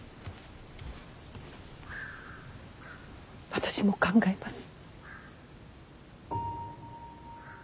私も考えます。